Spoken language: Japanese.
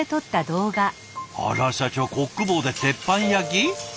あら社長コック帽で鉄板焼き？